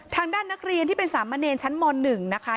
ทางด้านนักเรียนที่เป็นสามเณรชั้นม๑นะคะ